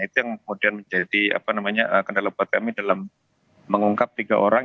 itu yang kemudian menjadi kendala buat kami dalam mengungkap tiga orang